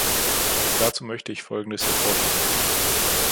Dazu möchte ich Folgendes hervorheben.